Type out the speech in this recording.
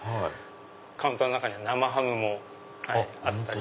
カウンターに生ハムもあったり。